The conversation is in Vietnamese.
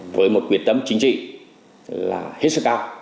với một quyền tấm chính trị là hết sức cao